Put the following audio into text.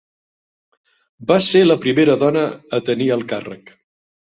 Va ser la primera dona a tenir el càrrec.